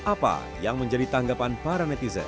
apa yang menjadi tanggapan para netizen